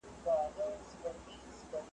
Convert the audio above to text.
جهاني ولي دي تیارې په اوښکو ستړي کړلې `